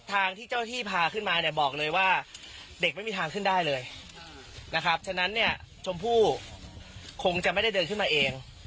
ทางที่เจ้าที่พาขึ้นมาเนี่ยบอกเลยว่าเด็กไม่มีทางขึ้นได้เลยนะครับฉะนั้นเนี่ยชมพู่คงจะไม่ได้เดินขึ้นมาเอง